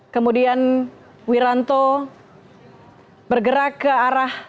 kemudian wiranto bergerak ke arah